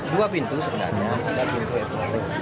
dua pintu sebenarnya ada pintu evakuasi